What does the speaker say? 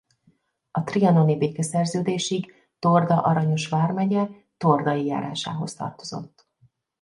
A trianoni békeszerződésig Torda-Aranyos vármegye Tordai járásához tartozott.